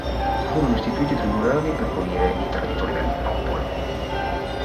Furono istituiti tribunali per punire "i traditori del popolo".